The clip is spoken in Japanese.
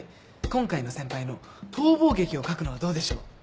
今回の先輩の逃亡劇を書くのはどうでしょう？